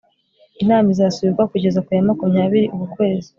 inama izasubikwa kugeza ku ya makumya biri uku kwezi